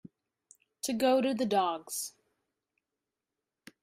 To go to the dogs.